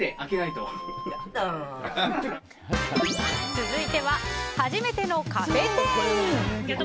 続いては初めてのカフェ店員。